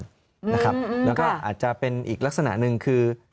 แล้วก็อาจจะเป็นอีกลักษณะหนึ่งคือ